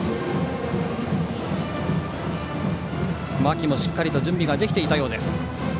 牧も、しっかり準備ができていたようです。